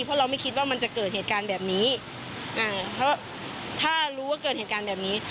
เพราะเราไม่คิดว่ามันจะเกิดเหตุการณ์แบบนี้อ่าเพราะถ้ารู้ว่าเกิดเหตุการณ์แบบนี้